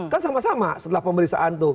kan sama sama setelah pemeriksaan itu